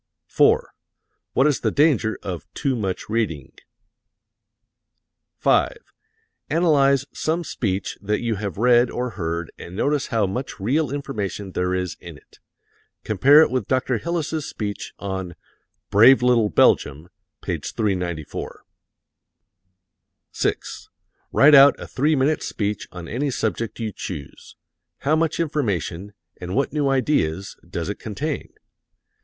4. What is the danger of too much reading? 5. Analyze some speech that you have read or heard and notice how much real information there is in it. Compare it with Dr. Hillis's speech on "Brave Little Belgium," page 394. 6. Write out a three minute speech on any subject you choose. How much information, and what new ideas, does it contain?